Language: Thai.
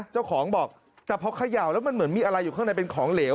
เจ้าของบอกแต่พอเขย่าแล้วมันเหมือนมีอะไรอยู่ข้างในเป็นของเหลว